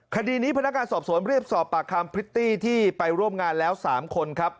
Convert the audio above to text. คดีนี้พนักงานสอบสวนเรียกสอบปากคำพริตตี้ที่ไปร่วมงานแล้ว๓คนครับ